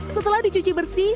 setelah dicuci bersih